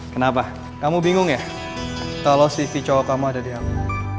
kenapa kamu bingung ya kalau cv cowok kamu ada di andi